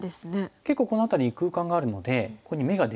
結構この辺りに空間があるのでここに眼ができやすいですよね。